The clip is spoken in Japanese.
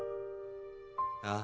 ああ。